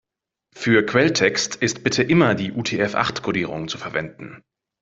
Für Quelltext ist bitte immer die UTF-acht-Kodierung zu verwenden.